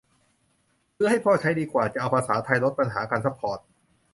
ซื้อให้พ่อใช้ดีกว่า จะเอาภาษาไทย ลดปัญหาการซัพพอร์ต !